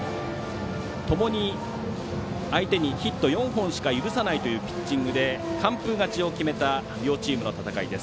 ともに相手にヒット４本しか許さないというピッチングで完封勝ちを決めた両チームの戦いです。